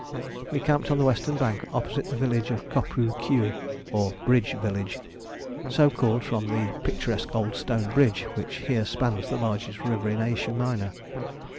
We camped on the western bank opposite the village of Kopru Keui (= Bridge Village), so called from the picturesque old stone bridge which here spans the largest river in Asia Minor.